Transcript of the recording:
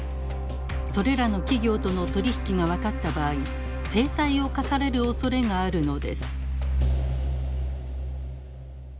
それらの企業との取り引きが分かった場合制裁を科されるおそれがあるのです。